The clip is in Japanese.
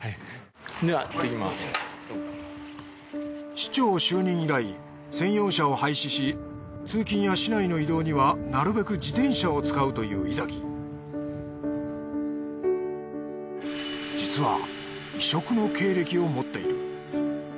市長就任以来専用車を廃止し通勤や市内の移動にはなるべく自転車を使うという井崎実は異色の経歴を持っている。